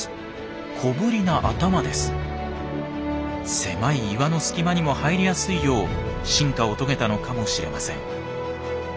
狭い岩の隙間にも入りやすいよう進化を遂げたのかもしれません。